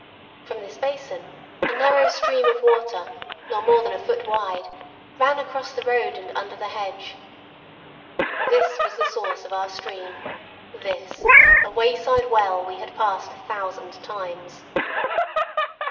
From this basin a narrow stream of water, not more than a foot wide, ran across the road and under the hedge. This was the source of our stream this, a wayside well we had passed a thousand times!